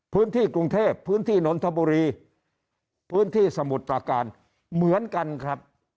พื้นที่กรุงเทพพื้นที่นนทบุรีพื้นที่สมุทรประการเหมือนกันครับ